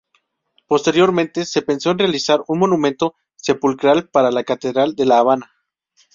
Posteriormente, se pensó en realizar un momento sepulcral para la Catedral de La Habana.